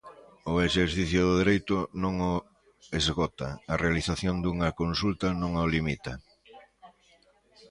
O exercicio do dereito non o esgota, a realización dunha consulta non o limita.